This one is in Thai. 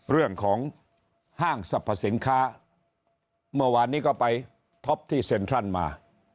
เรื่องของห้างสรรพสินค้าเมื่อวานนี้ก็ไปท็อปที่เซ็นทรัลมา